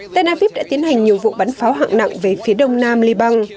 tena vip đã tiến hành nhiều vụ bắn pháo hạng nặng về phía đông nam liban